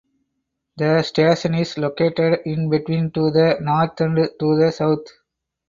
The station is located in between to the north and to the south.